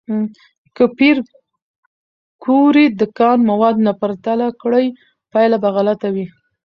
که پېیر کوري د کان مواد نه پرتله کړي، پایله به غلطه وي.